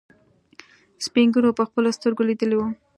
سپينږيرو په خپلو سترګو ليدلي وو.